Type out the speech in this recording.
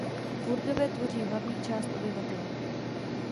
Kurdové tvoří hlavní část obyvatel.